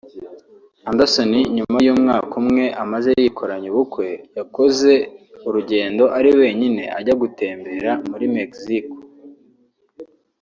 Anderson nyuma y’umwaka umwe amaze yikoranye ubukwe yakoze urugendo ari wenyine ajya gutembera muri Mexico